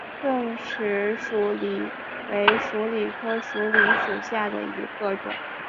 钝齿鼠李为鼠李科鼠李属下的一个种。